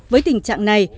với tình trạng này